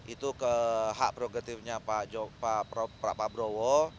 itu ke hak prerogatifnya pak prabowo